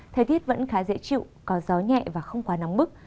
thời tiết vẫn khá dễ chịu có gió nhẹ và không quá nóng bức